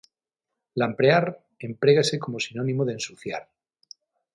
"Lamprear" emprégase como sinónimo de ensuciar.